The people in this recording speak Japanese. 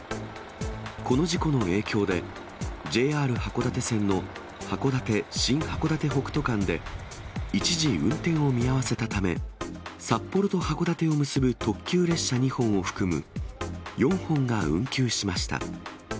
この事故の影響で、ＪＲ函館線の函館・新函館北斗間で、一時運転を見合わせたため、札幌と函館を結ぶ特急列車２本を含む４本が運休しました。